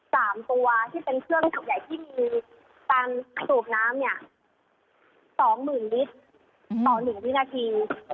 ๓ตัวที่เป็นเครื่องสูบน้ำใหญ่ที่มีตันสูบน้ำ๒๐๐๐๐ลิตรต่อ๑วินาที